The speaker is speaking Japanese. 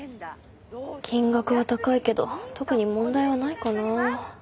金額は高いけど特に問題はないかな。